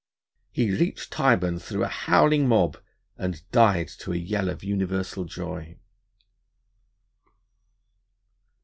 He reached Tyburn through a howling mob, and died to a yell of universal joy.